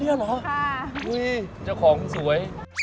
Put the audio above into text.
อ๋อเนี่ยเหรอค่ะอุ้ยเจ้าของสวย